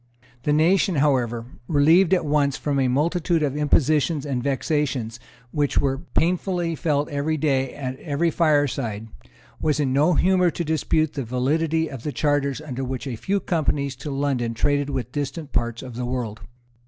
The nation, however, relieved at once from a multitude of impositions and vexations which were painfully felt every day at every fireside, was in no humour to dispute the validity of the charters under which a few companies to London traded with distant parts of the world.